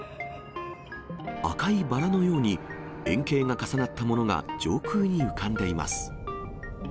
赤いバラのように、円形が重なったものが上空に浮かんでいます。